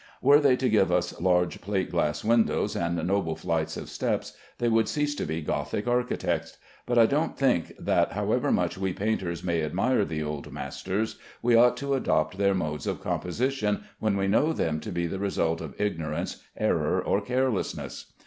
Were they to give us large plate glass windows and noble flights of steps, they would cease to be Gothic architects; but I don't think that, however much we painters may admire the old masters, we ought to adopt their modes of composition when we know them to be the result of ignorance, error, or carelessness.